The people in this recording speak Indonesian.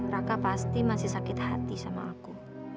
raka pasti masih sakit hati sama aku